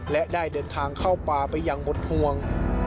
และได้เดินทางเข้าป่าไปอย่างหมดห่วง